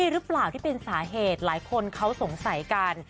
หรือเปล่าที่เป็นสาเหตุหลายคนเขาสงสัยกัน